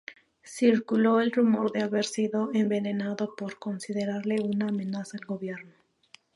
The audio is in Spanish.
Circuló el rumor de haber sido envenenado por considerarle una amenaza el gobierno.